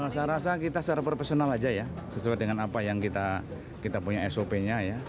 saya rasa kita secara profesional saja ya sesuai dengan apa yang kita punya sop nya ya